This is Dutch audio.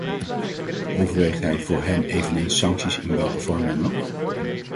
Overweegt hij voor hen eveneens sancties in welke vorm dan ook?